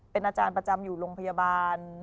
เป็นอาจารย์ประจำอยู่โรงพยาบาล